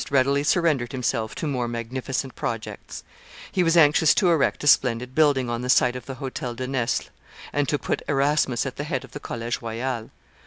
readily surrendered himself to more magnificent projects; he was anxious to erect a splendid building on the site of the Hotel de Nesle, and to put Erasmus at the head of the College Royal.